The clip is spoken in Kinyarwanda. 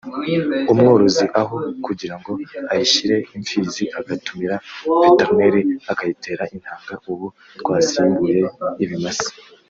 umworozi aho kugirango ayishyire imfizi agatumira Veterineri akayitera intanga…ubu twasimbuye ibimasa